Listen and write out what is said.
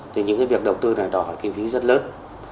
thì những cái việc đầu tư này đòi hỏi kinh phí rất lớn